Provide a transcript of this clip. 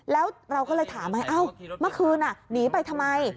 แล้วเราก็เลยถามไงเอ้าเมื่อคืนหนีไปทำไม